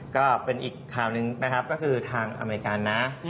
ก็เป็นอีกข่าวหนึ่งนะครับก็คือทางอเมริกันนะ